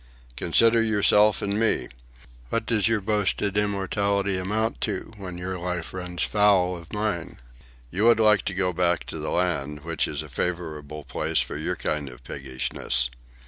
Consider yourself and me. What does your boasted immortality amount to when your life runs foul of mine? You would like to go back to the land, which is a favourable place for your kind of piggishness.